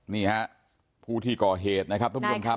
นี่ฮะผู้ที่ก่อเหตุนะครับท่านผู้ชมครับ